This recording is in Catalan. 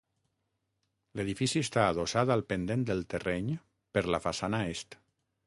L'edifici està adossat al pendent del terreny per la façana Est.